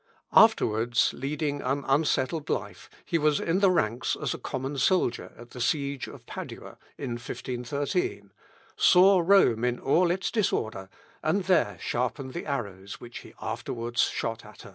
Afterwards leading an unsettled life, he was in the ranks as a common soldier at the siege of Padua, in 1513, saw Rome in all its disorder, and there sharpened the arrows which he afterwards shot at her.